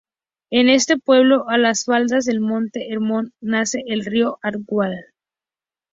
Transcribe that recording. En este pueblo, a las faldas del monte Hermón nace el río Al-A'waj.